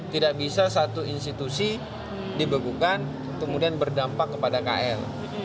tidak bisa satu institusi dibekukan kemudian berdampak kepada kl